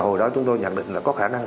hồi đó chúng tôi nhận định là có khả năng